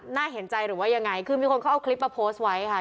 น่าเห็นใจหรือว่ายังไงคือมีคนเขาเอาคลิปมาโพสต์ไว้ค่ะ